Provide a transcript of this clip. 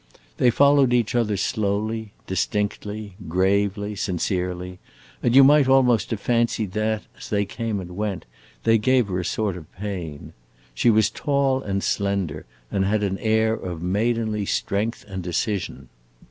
They followed each other slowly, distinctly, gravely, sincerely, and you might almost have fancied that, as they came and went, they gave her a sort of pain. She was tall and slender, and had an air of maidenly strength and decision.